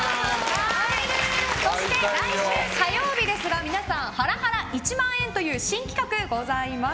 そして、来週火曜日ですが皆さん、ハラハラ１万円という新企画がございます。